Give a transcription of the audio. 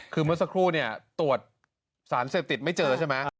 คือเมื่อสักครู่เนี่ยตรวจสารเสพติดไม่เจอใช่ไหม